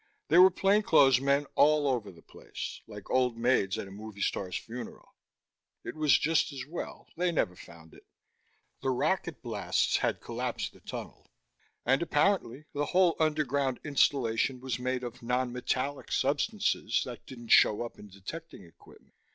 There were plainclothes men all over the place, like old maids at a movie star's funeral. It was just as well; they never found it. The rocket blasts had collapsed the tunnel, and apparently the whole underground installation was made of non metallic substances that didn't show up in detecting equipment.